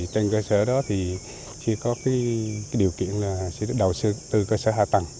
trên cơ sở đó chỉ có điều kiện là đầu tư cơ sở hạ tầng